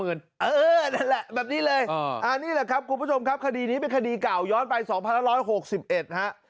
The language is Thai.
เอามา๕๐๐๐๐นี่แหละครับคุณผู้ชมครับคดีนี้เป็นคดีกล่าวย้อนไป๒๑๖๑ฮะ